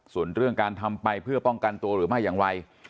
ส่วนเรื่องการทำไปเพื่อป้องกันตัวหรือไม่อย่างไร